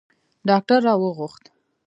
ډاکتر را وغوښت.